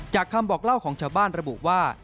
คำบอกเล่าของชาวบ้านระบุว่า